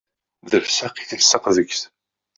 D alsaq i telseq deg-s.